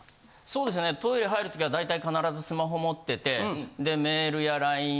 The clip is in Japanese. そうですねトイレ入る時は大体必ずスマホ持ってて。